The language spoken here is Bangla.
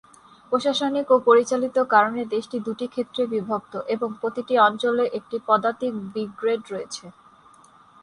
প্রশাসনিক ও পরিচালিত কারণে দেশটি দুটি ক্ষেত্রে বিভক্ত এবং প্রতিটি অঞ্চলে একটি পদাতিক ব্রিগেড রয়েছে।